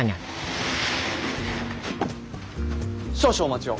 少々お待ちを。